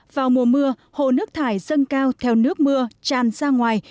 vào mùa mưa hồ nước thải dâng cao theo nước mưa tràn ra ngoài